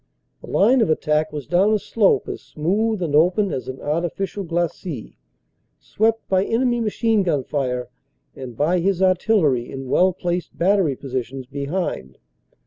The line of attack was down a slope as smooth and open as an artificial glacis, swept by enemy machine gun fire and by his artillery in well placed battery positions behind.